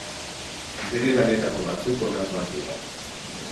Bere lanetako batzuk honakoak dira.